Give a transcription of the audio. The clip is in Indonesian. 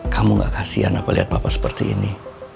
kamu nggak kasihan apa lihat papa seperti ini